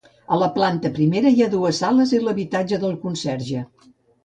A la planta primera hi ha dues sales i l'habitatge del conserge.